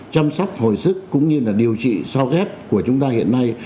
chăm sóc hồi sức cũng như là điều trị so ghép của chúng ta hiện nay